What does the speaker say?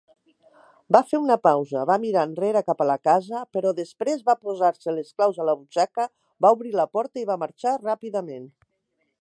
Va fer una pausa, va mirar enrere cap a la casa, però després va posar-se les claus a la butxaca, va obrir la porta i va marxar ràpidament.